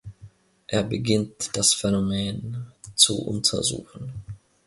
Er beginnt, das Phänomen zu untersuchen.